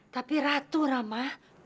tapi ratu rama